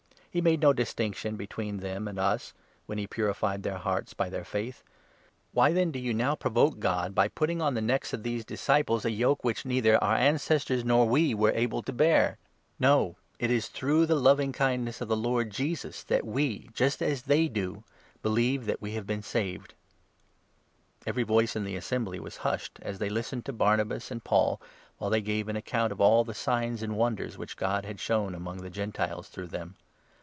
He made no distinction between them and 9 us, when he purified their hearts • by their faith. Why, 10 then, do you now provoke God, by putting on the necks of these disciples a yoke which neither our ancestors nor we were THE ACTS, 15. 243 able to bear? No, it is through the loving ferygiess of the n Lord Jesus that we, just as they do, believe that'ie Fhave been saved." Rx> Every voice in the assembly was hushed, as tfviy listened 12 to Barnabas and Paul, while they gave an account .of all the signs and wonders which God had shown among the Gentiles through them.